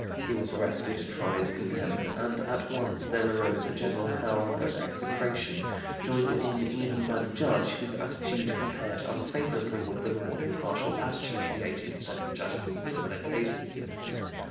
He was arrested, tried, condemned, and at once there arose a general howl of execration, joined in even by the judge, whose attitude compared unfavorably with the more impartial attitude of the eighteenth century judges in similar cases.